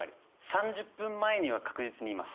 ３０分前には確実にいます。